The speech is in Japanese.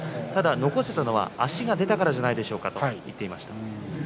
残せたのは足が出ていたからじゃないでしょうかという話でした。